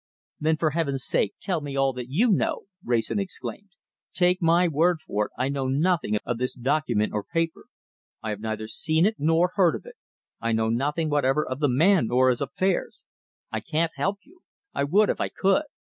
"Then, for Heaven's sake, tell me all that you know!" Wrayson exclaimed. "Take my word for it, I know nothing of this document or paper. I have neither seen it nor heard of it. I know nothing whatever of the man or his affairs. I can't help you. I would if I could.